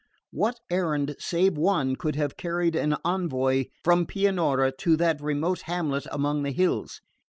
What errand save one could have carried an envoy from Pianura to that remote hamlet among the hills?